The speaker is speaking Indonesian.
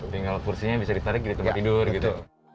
tinggal kursinya bisa ditarik jadi tempat tidur gitu